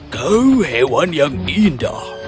kau hewan yang indah